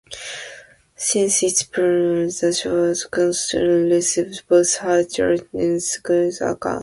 Since its premiere, the show has constantly received both high ratings and critical acclaim.